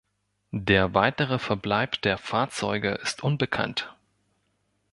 Der weitere Verbleib der Fahrzeuge ist unbekannt.